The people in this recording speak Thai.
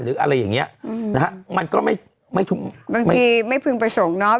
หรืออะไรอย่างหญนี้มันก็ไม่ทุ่มบางทีไม่พึงประสงค์เนาะ